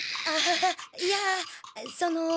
ああっいやその。